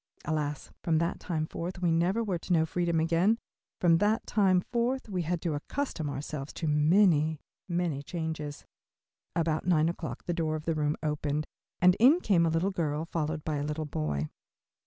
Alas! from that time forth we never were to know freedom again; from that time forth we had to accustom ourselves to many, many changes. About nine o'clock the door of the room opened and in came a little girl, followed by a little boy.